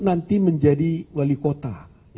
nanti menjadi wali kota